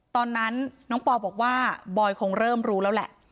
ตอนนั้นน้องปอบอกว่าบอยคงเริ่มรู้แล้วแหละ